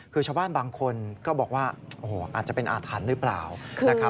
คือชาวบ้านบางคนก็บอกว่าอาจจะเป็นอาทรรณหรือเปล่า